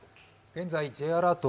現在、Ｊアラート